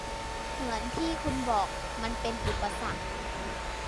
เหมือนที่คุณบอก มันเป็นอุปสรรค